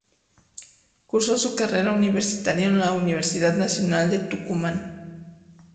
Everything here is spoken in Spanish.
Cursó su carrera universitaria en la Universidad Nacional de Tucumán.